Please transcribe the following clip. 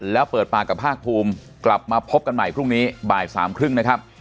แล้วเปิดปากกับภาคภูมิกลับมาพบกันใหม่พรุ่งนี้บ่ายสามครึ่งนะครับ